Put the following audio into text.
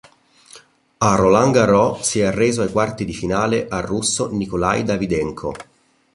Al Roland Garros si è arreso ai quarti di finale al russo Nikolaj Davydenko.